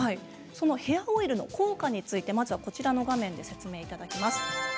ヘアオイルの効果についてこちらの画面で説明いただきます。